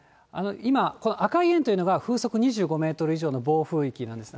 今、この赤い円というのが風速２５メートル以上の暴風域なんです。